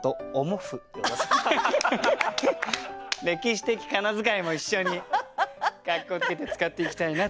歴史的仮名遣いも一緒にかっこつけて使っていきたいなと。